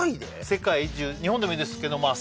世界中日本でもいいですけどまあ